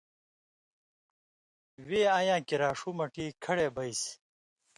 وے اَین٘یاں کریا ݜُو مٹی کھڑے بیسیۡ